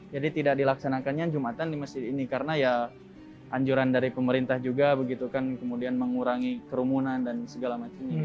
jadi tidak dilaksanakannya jumatan di masjid ini karena ya anjuran dari pemerintah juga begitu kan kemudian mengurangi kerumunan dan segala macam ini